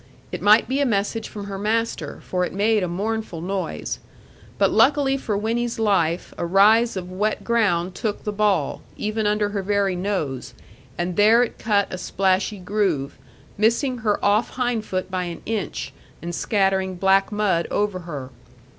It might be a message from her master; for it made a mournful noise. But luckily for Winnie's life, a rise of wet ground took the ball, even under her very nose; and there it cut a splashy groove, missing her off hindfoot by an inch, and scattering black mud over her.